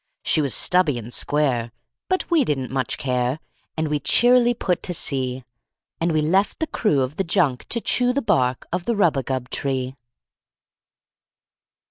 She was stubby and square, but we didn't much care, And we cheerily put to sea; And we left the crew of the junk to chew The bark of the rubagub tree.